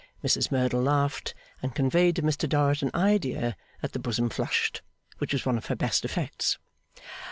Mrs Merdle laughed, and conveyed to Mr Dorrit an idea that the Bosom flushed which was one of her best effects.